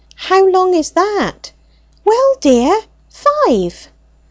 "How long is that?" "Well, dear, five."